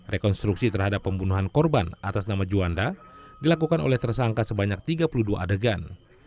rekonstruksi terhadap pembunuhan korban atas nama juanda dilakukan oleh tersangka sebanyak tiga puluh dua adegan